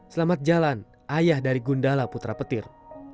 selamat jalan ayah dari gundala putra petir